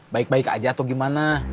baik baik aja atau gimana